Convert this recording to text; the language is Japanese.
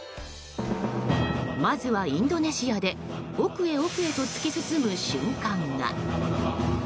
まずは、インドネシアで奥へ奥へと突き進む瞬間が。